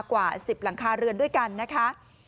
กว่า๑๐หลังคาเรือนด้วยกันนะคะ